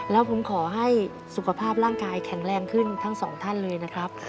แล้วผมขอให้สุขภาพร่างกายแข็งแรงขึ้นทั้งสองท่านเลยนะครับ